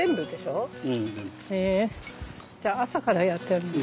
じゃあ朝からやってるの？